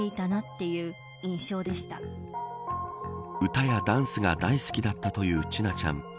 歌やダンスが大好きだったという千奈ちゃん。